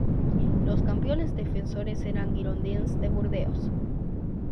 Los campeones defensores eran Girondins de Burdeos.